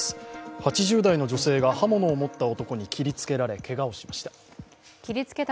８０代の女性が刃物を持った男に切りつけられ、けがをしました。